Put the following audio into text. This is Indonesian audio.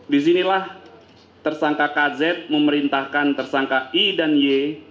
di sinilah tersangka kz memerintahkan tersangka i dan y